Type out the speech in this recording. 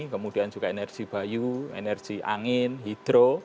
kemudian juga energi bayu energi angin hidro